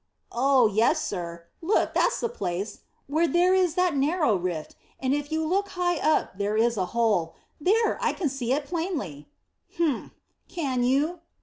"Oh yes, sir. Look, that's the place where there is that narrow rift, and if you look high up there is a hole. There, I can see it plainly." "Humph! Can you?